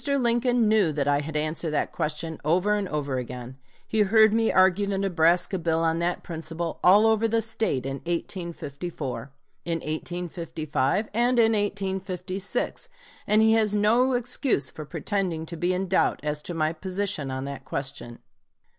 Lincoln knew that I had answered that question over and over again. He heard me argue the Nebraska bill on that principle all over the State in 1854, in 1855, and in 1856, and he has no excuse for pretending to be in doubt as to my position on that question.